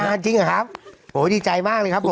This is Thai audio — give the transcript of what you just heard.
โอ้โหจราจริงหรอครับโอ้โหดีใจมากเลยครับผม